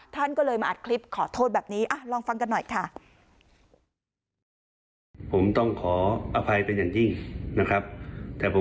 ท่านก็เลยมาอัดคลิปขอโทษแบบนี้ลองฟังกันหน่อยค่ะ